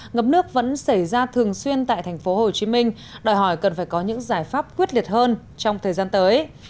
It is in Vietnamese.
ngập nước vẫn xảy ra thường xuyên tại tp hcm đòi hỏi cần phải có những giải pháp quyết liệt hơn trong thời gian tới